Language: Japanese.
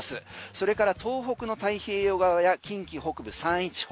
それから東北の太平洋側や近畿北部、山陰地方